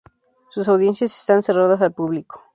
Sus audiencias están cerradas al público.